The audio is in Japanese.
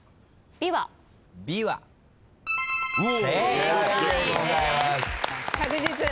正解です。